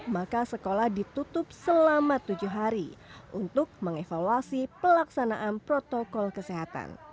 maka sekolah ditutup selama tujuh hari untuk mengevaluasi pelaksanaan protokol kesehatan